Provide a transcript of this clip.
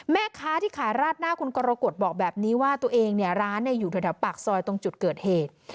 แม่ค้าที่ขายราดหน้าคุณกรกฎบอกแบบนี้ว่าตัวเองเนี่ยร้านอยู่แถวปากซอยตรงจุดเกิดเหตุ